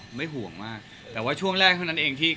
ครอบครัวมีน้องเลยก็คงจะอยู่บ้านแล้วก็เลี้ยงลูกให้ดีที่สุดค่ะ